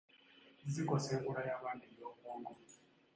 Zikosa enkula y’abaana ey’obwongo.